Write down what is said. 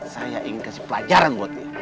saya ingin kasih pelajaran buat dia